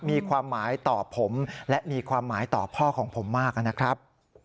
มีความหมายต่อผมและมีความหมายต่อพ่อของผมมากนะครับ